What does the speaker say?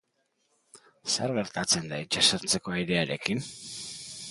Zer gertatzen da itsasertzeko airearekin?